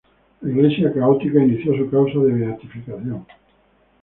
La Iglesia católica inició su causa de beatificación.